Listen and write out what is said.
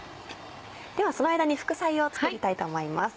ではその間に副菜を作りたいと思います。